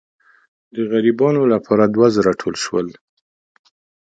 د غریبانو لپاره دوه زره ټول شول.